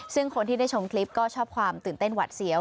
ซึ่งคนที่ได้ชมคลิปก็ชอบความตื่นเต้นหวัดเสียว